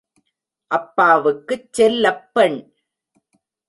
அப்பாவுக்குச் செல்லப் பெண்.